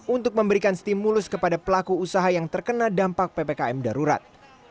untuk memberikan stimulus kepada pelaku usaha yang terkena dampak ppkm darurat